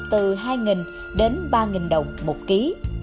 từ hai đến ba đồng một ký